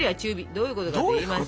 どういうことかといいますと。